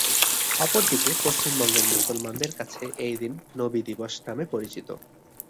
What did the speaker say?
অপরদিকে পশ্চিমবঙ্গের মুসলমানদের কাছে এই দিন নবী দিবস নামে পরিচিত।